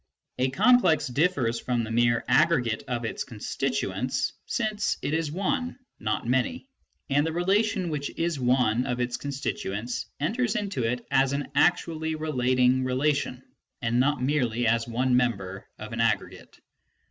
A complex differs from the mere aggre gate of its constituents, since it is one, not many, and the relation which is one of its constituents enters into it as an actually relating relation, and not merely as one member of an aggregate.